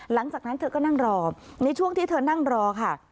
หลังจากนั้นเธอก็นั่งรอในช่วงที่เธอนั่งรอค่ะ